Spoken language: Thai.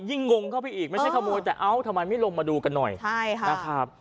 งงเข้าไปอีกไม่ใช่ขโมยแต่เอ้าทำไมไม่ลงมาดูกันหน่อยใช่ค่ะนะครับ